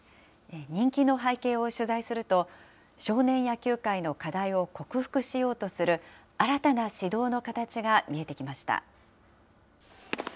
人気の背景を取材すると、少年野球界の課題を克服しようとする、新たな指導の形が見えてきました。